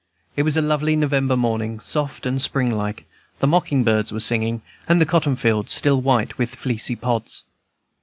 It was a lovely November morning, soft and spring like; the mocking birds were singing, and the cotton fields still white with fleecy pods.